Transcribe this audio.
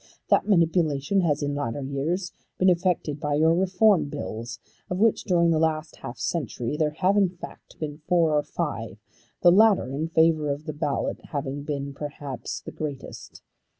That manipulation has in latter years been effected by your Reform bills, of which during the last half century there have in fact been four or five, the latter in favour of the ballot having been perhaps the greatest.